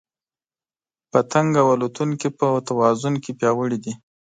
پتنګ او الوتونکي په توازن کې پیاوړي دي.